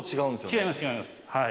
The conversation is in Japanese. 違います。